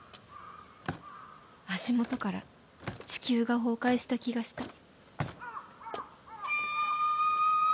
足元から地球が崩壊した気がした